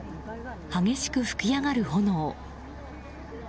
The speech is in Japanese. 激しく噴き上がる炎。